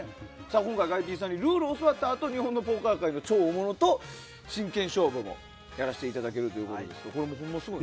今回、ガイＰさんにルールを教わったあと日本のポーカー界の大物と真剣勝負もやらせていただけるということで。